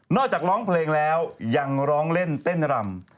จากร้องเพลงแล้วยังร้องเล่นเต้นรำ